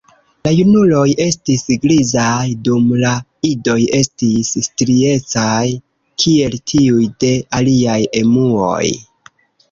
La junuloj estis grizaj, dum la idoj estis striecaj kiel tiuj de aliaj emuoj.